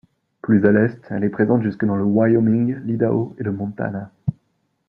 Plus à l'est, elle est présente jusque dans le Wyoming, l'Idaho et le Montana.